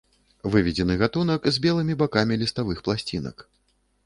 Выведзены гатунак з белымі бакамі ліставых пласцінак.